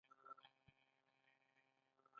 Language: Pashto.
نو د جنسي عضو د عصبونو حساسيت هم کم شي